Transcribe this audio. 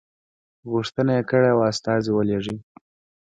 غوښتنه یې کړې وه استازی ولېږي.